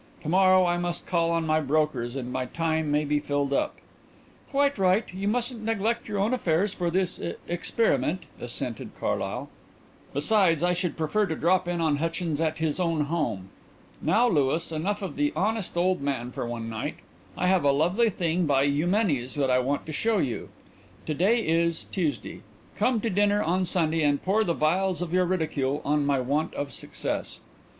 "To morrow I must call on my brokers and my time may be filled up." "Quite right; you mustn't neglect your own affairs for this experiment," assented Carlyle. "Besides, I should prefer to drop in on Hutchins at his own home. Now, Louis, enough of the honest old man for one night. I have a lovely thing by Eumenes that I want to show you. To day is Tuesday. Come to dinner on Sunday and pour the vials of your ridicule on my want of success."